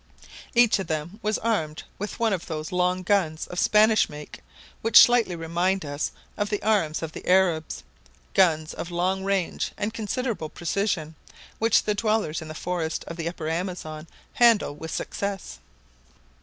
Each of them was armed with one of those long guns of Spanish make which slightly remind us of the arms of the Arabs, guns of long range and considerable precision, which the dwellers in the forest of the upper Amazon handle with success.